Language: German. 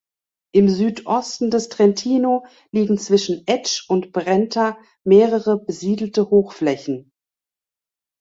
Im Südosten des Trentino liegen zwischen Etsch und Brenta mehrere besiedelte Hochflächen.